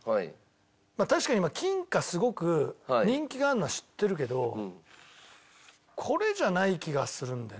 確かに金貨すごく人気があるのは知ってるけどこれじゃない気がするんだよね。